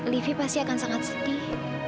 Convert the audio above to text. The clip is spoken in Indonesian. livi pasti akan sangat sedih